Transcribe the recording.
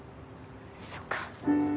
そっか。